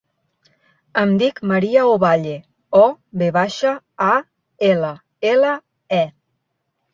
Em dic Maria Ovalle: o, ve baixa, a, ela, ela, e.